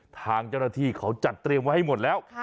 ทางเจ้าหน้าที่เขาจัดเตรียมไว้ให้หมดแล้ว